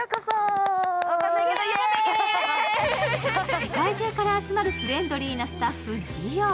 世界中から集まるフレンドリーなスタッフ、ＧＯ。